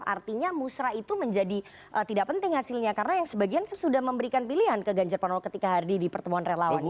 artinya musrah itu menjadi tidak penting hasilnya karena yang sebagian kan sudah memberikan pilihan ke ganjar pranowo ketika hardy di pertemuan relawan